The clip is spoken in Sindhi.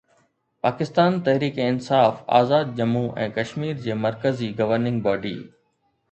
پاڪستان تحريڪ انصاف آزاد ڄمون ۽ ڪشمير جي مرڪزي گورننگ باڊي